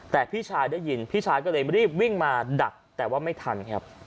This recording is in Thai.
แต่พี่ชายได้ยินพี่ชายก็เลยรีบวิ่งมาดักแต่ว่าไม่ทันครับ